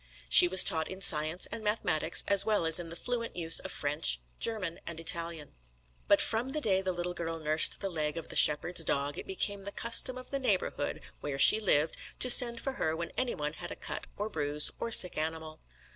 She was taught in science and mathematics as well as in the fluent use of French, German and Italian. But from the day the little girl nursed the leg of the shepherd's dog, it became the custom of the neighbourhood where she lived to send for her when anyone had a cut or bruise or sick animal.